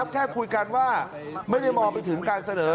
แค่คุยกันว่าไม่ได้มองไปถึงการเสนอ